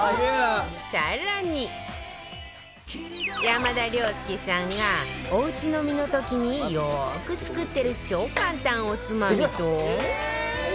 山田涼介さんがおうち飲みの時によく作ってる超簡単おつまみと